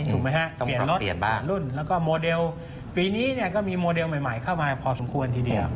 ถูกไหมฮะเปลี่ยนรถหลานรุ่นแล้วก็โมเดลปีนี้ก็มีโมเดลใหม่เข้ามาพอสมควรทีเดียว